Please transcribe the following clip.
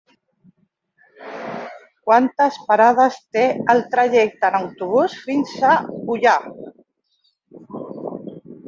Quantes parades té el trajecte en autobús fins a Ullà?